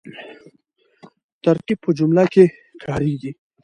ترکیب په جمله کښي کاریږي.